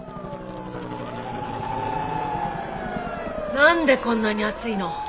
なんでこんなに暑いの？